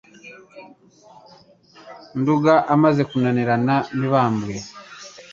Nduga amaze kunanirana, Mibambwe